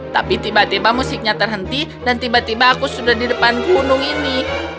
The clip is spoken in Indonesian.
tapi tiba tiba musiknya terhenti dan tiba tiba aku sudah di depan gunung ini